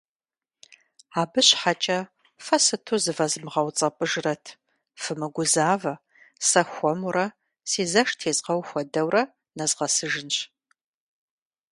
Абы щхьэкӀэ фэ сыту зывэзмыгъэуцӀэпӀыжрэт, фымыгузавэ, сэ хуэмурэ, си зэш тезгъэу хуэдэурэ, нэзгъэсыжынщ.